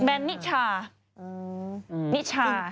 แบรนด์นิชชา